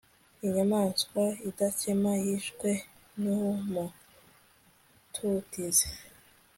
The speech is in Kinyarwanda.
inyamaswa idakema yishwe n'umututizi